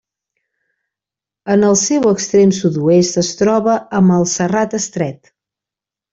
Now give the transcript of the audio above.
En el seu extrem sud-oest es troba amb el Serrat Estret.